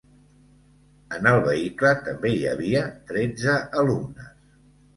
En el vehicle també hi havia tretze alumnes.